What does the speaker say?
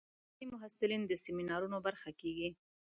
ځینې محصلین د سیمینارونو برخه کېږي.